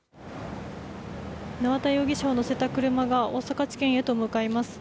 縄田容疑者を乗せた車が大阪地検へと向かいます。